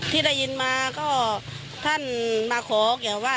ที่ได้ยินมาก็ท่านมาขอเกี่ยวว่า